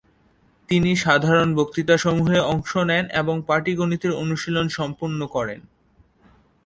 তিনি সাধারণ বক্তৃতাসমূহে অংশ নেন এবং পাটীগণিতের অনুশীলন সম্পন্ন করেন।